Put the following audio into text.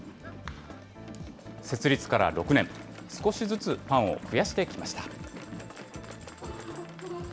設立から６年、少しずつファンを増やしてきました。